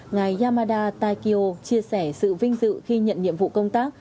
ngài yamada takio chia sẻ sự vinh dự khi nhận nhiệm vụ công tác